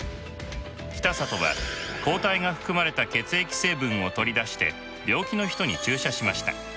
北里は抗体が含まれた血液成分を取り出して病気の人に注射しました。